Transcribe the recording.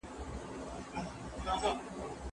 تحقیقي ادب د واقعیتونو پر بنسټ ولاړ وي.